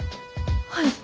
はい。